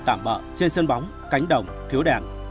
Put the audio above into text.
tạm bỡ trên sân bóng cánh đồng thiếu đèn